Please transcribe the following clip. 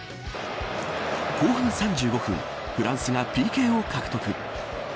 後半３５分フランスがＰＫを獲得。